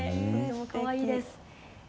かわいいです。